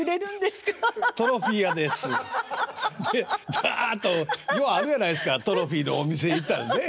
ばっとようあるやないですかトロフィーのお店行ったらね。